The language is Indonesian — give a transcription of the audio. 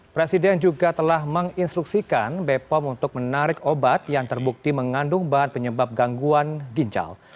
presiden juga telah menginstruksikan bepom untuk menarik obat yang terbukti mengandung bahan penyebab gangguan ginjal